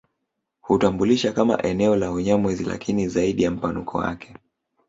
Hutambulisha kama eneo la Unyamwezi lakini zaidi ya mpanuko wake